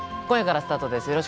今夜からスタートです。